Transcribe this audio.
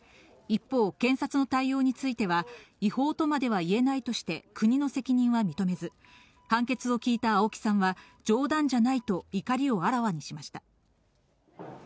一方、検察の対応については、違法とまではいえないとして、国の責任は認めず、判決を聞いた青木さんは、冗談じゃないと、怒りをあらわにしました。